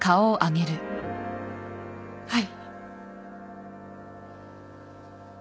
はい。